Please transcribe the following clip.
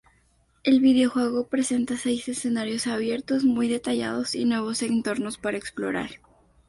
El videojuego presenta seis escenarios abiertos muy detallados y nuevos entornos para explorar.